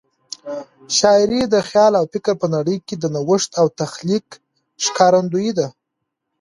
شاعري د خیال او فکر په نړۍ کې د نوښت او تخلیق ښکارندوی ده.